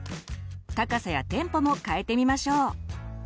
高さやテンポも変えてみましょう。